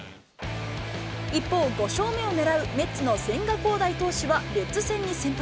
一方、５勝目を狙うメッツの千賀滉大投手はレッズ戦に先発。